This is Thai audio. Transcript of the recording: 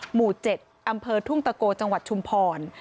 หมู่๗อำเภอทุ่งตะโกจังหวัดชุมพร